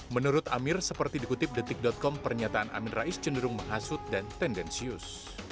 menurut amir seperti dikutip detik com pernyataan amin rais cenderung menghasut dan tendensius